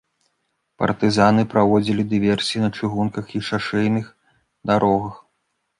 Партызаны праводзілі дыверсіі на чыгунках і шашэйных дарогах.